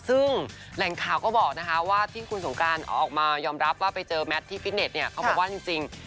ซึ่งแหล่งข่าวก็บอกนะคะว่าที่คุณสงการออกมายอมรับว่าไปเจอแมทที่ฟิตเน็ตเนี่ยเขาบอกว่าจริง